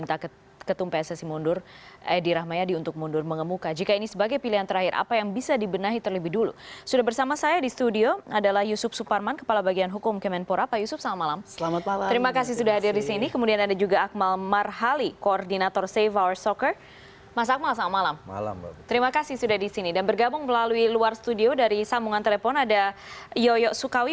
terima kasih sudah disini dan bergabung melalui luar studio dari sambungan telepon ada yoyo sukawi